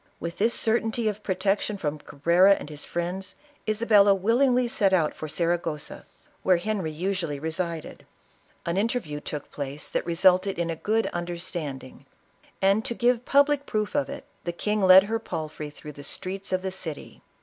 With this eer ' tainty of protection from Cabrera and his friends, Isabella willingly set out for Saragossa, where Henry 72 ISABELLA OF CASTILE. usually resided. An interview took place that resulted in a good understanding; and, to give public proof of it, the king led her palfrey through the streets of the city.